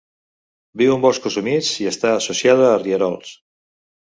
Viu en boscos humits i està associada a rierols.